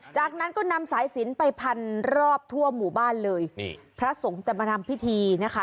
จากนั้นก็นำสายสินไปพันรอบทั่วหมู่บ้านเลยนี่พระสงฆ์จะมาทำพิธีนะคะ